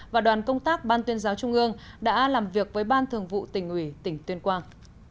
và đoàn công tác ban tuyên giáo trung ương đã làm việc với ban thường vụ tỉnh ủy tỉnh tuyên quang